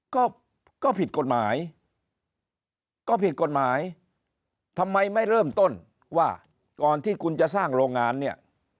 ก็ก็ผิดกฎหมายก็ผิดกฎหมายทำไมไม่เริ่มต้นว่าก่อนที่คุณจะสร้างโรงงานเนี่ย